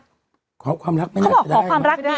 เขาบอกขอความรักตี